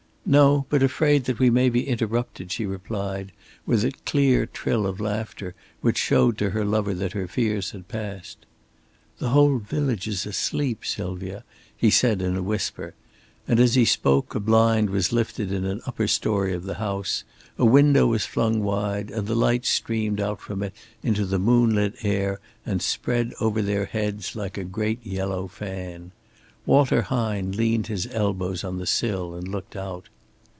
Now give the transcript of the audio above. "No, but afraid we may be interrupted," she replied, with a clear trill of laughter which showed to her lover that her fears had passed. "The whole village is asleep, Sylvia," he said in a whisper; and as he spoke a blind was lifted in an upper story of the house, a window was flung wide, and the light streamed out from it into the moonlit air and spread over their heads like a great, yellow fan. Walter Hine leaned his elbows on the sill and looked out.